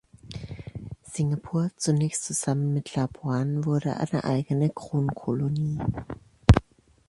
Singapur, zunächst zusammen mit Labuan, wurde eine eigene Kronkolonie.